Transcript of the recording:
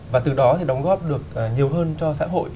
và từ đó thì đóng góp được nhiều hơn cho xã hội